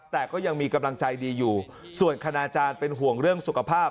แต่ก็ยังมีกำลังใจดีอยู่ส่วนคณาจารย์เป็นห่วงเรื่องสุขภาพ